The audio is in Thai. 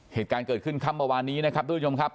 เหตุการณ์เกิดขึ้นค่ำเมื่อวานนี้นะครับทุกผู้ชมครับ